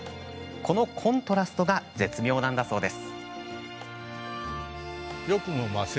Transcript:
このコントラストが絶妙なんだそうです。